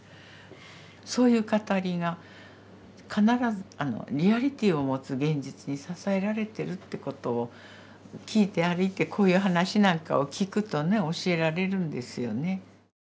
そういう語りが必ずリアリティーを持つ現実に支えられてるってことをきいて歩いてこういう話なんかをきくとね教えられるんですよね。